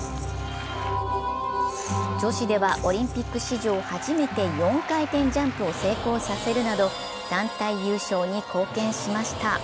女子ではオリンピック史上初めて４回転ジャンプを成功させるなど団体優勝に貢献しました。